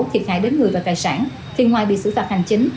thiệt hại đến người và tài sản thì ngoài bị xử phạt hành chính